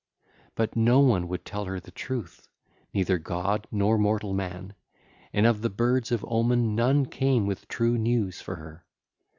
But no one would tell her the truth, neither god nor mortal men; and of the birds of omen none came with true news for her.